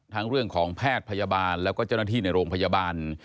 เรื่องของแพทย์พยาบาลแล้วก็เจ้าหน้าที่ในโรงพยาบาล